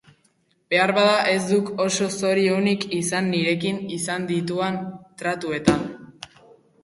Beharbada ez duk oso zori onik izan nirekin izan dituan tratuetan.